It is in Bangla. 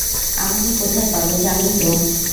আমাকে কোথায় পাবে, জানোই তো।